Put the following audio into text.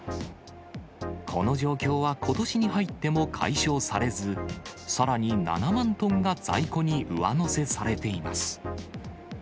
この状況はことしに入っても解消されず、さらに７万トンが在庫に上乗せされています。